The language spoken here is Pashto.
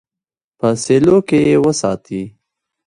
په سیلو کې یې وساتي.